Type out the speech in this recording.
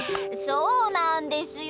そうなんですよ。